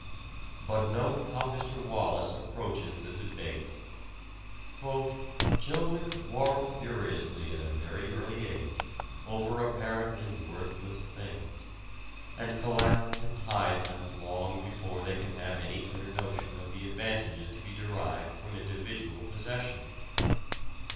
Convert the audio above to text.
But note how Mr. Wallas approaches the debate: "Children quarrel furiously at a very early age over apparently worthless things, and collect and hide them long before they can have any clear notion of the advantages to be derived from individual possession.